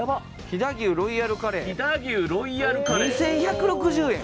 飛騨牛ロイヤルカレー飛騨牛ロイヤルカレー２１６０円